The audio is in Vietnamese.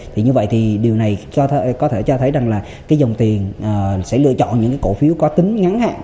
thì như vậy thì điều này có thể cho thấy rằng là cái dòng tiền sẽ lựa chọn những cái cổ phiếu có tính ngắn hạn